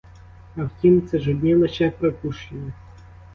А втім — це ж одні лише припущення.